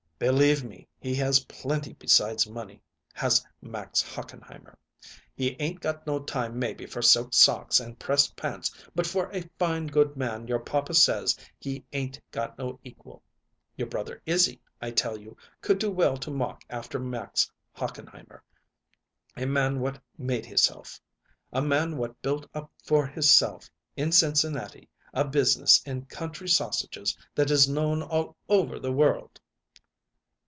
"Believe me, he has plenty besides money, has Max Hochenheimer. He 'ain't got no time maybe for silk socks and pressed pants, but for a fine good man your papa says he 'ain't got no equal. Your brother Izzy, I tell you, could do well to mock after Max Hochenheimer a man what made hisself; a man what built up for hisself in Cincinnati a business in country sausages that is known all over the world."